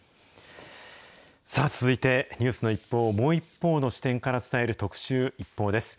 さあ、続いてニュースの一報をもう一方の視点から伝える特集、ＩＰＰＯＵです。